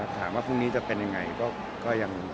ถามว่าพรุ่งนี้จะเป็นยังไงก็ยังไม่ทราบเหมือนกัน